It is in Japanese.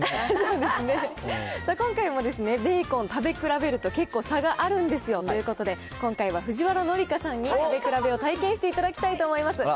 そうですね、さあ、今回もベーコン、食べ比べると結構差があるんですよということで、今回は藤原紀香さんに食べ比べを体験していただきたいと思います。